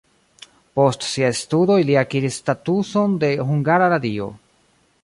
Post siaj studoj li akiris statuson en Hungara Radio.